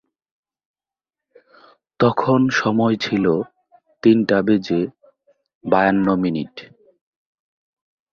বিদ্যালয়ে শিক্ষালাভের সময়ই তিনি স্বাধীনতা আন্দোলনে যুক্ত হন।